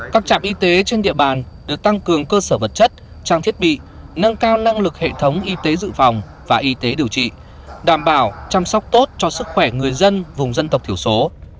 các trạm y tế trên địa bàn được tăng cường cơ sở vật chất trang thiết bị nâng cao năng lực hệ thống y tế dự phòng và y tế điều trị đảm bảo chăm sóc tốt cho sức khỏe người dân vùng dân tộc thiểu số